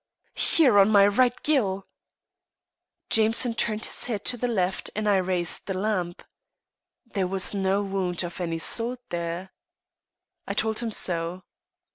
"Here on my right gill." Jameson turned his head to the left, and I raised the lamp. There was no wound of any sort there. I told him so.